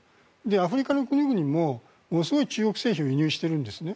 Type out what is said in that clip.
アフリカの国々もものすごい、中国製品を輸入しているんですね。